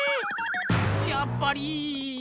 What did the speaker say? やっぱり。